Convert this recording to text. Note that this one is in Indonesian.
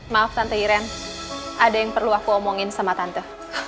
maaf tante iran ada yang perlu aku omongin sama tante